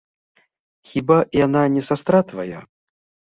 Хіба яна не сястра твая?